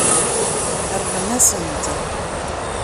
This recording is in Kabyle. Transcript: Rrem-asent.